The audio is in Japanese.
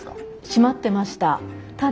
閉まってました。